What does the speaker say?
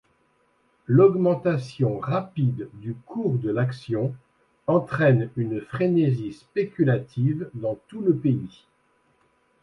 L'augmentation rapide du cours de l'action entraîne une frénésie spéculative dans tout le pays.